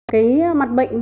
cái mặt bệnh